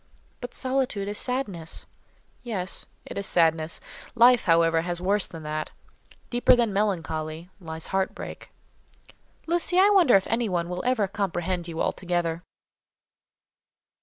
"But solitude is sadness." "Yes; it is sadness. Life, however; has worse than that. Deeper than melancholy, lies heart break." "Lucy, I wonder if anybody will ever comprehend you altogether."